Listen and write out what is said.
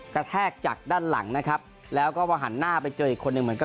กระแทกจากด้านหลังนะครับแล้วก็มาหันหน้าไปเจออีกคนหนึ่ง